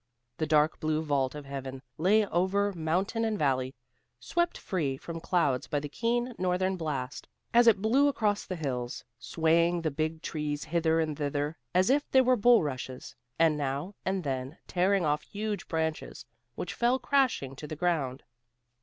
The dark blue vault of heaven lay over mountain and valley, swept free from clouds by the keen northern blast as it blew across the hills, swaying the big trees hither and thither as if they were bulrushes, and now and then tearing off huge branches which fell crashing to the ground.